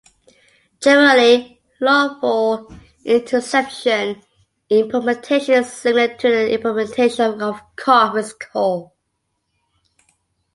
Generally, lawful Interception implementation is similar to the implementation of conference call.